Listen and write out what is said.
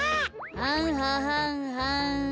はんははんはん。